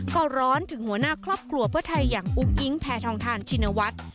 ก็ร้อนถึงหัวหน้าครอบครัวเพื่อไทยอย่างอุ้งอิ๊งแพทองทานชินวัฒน์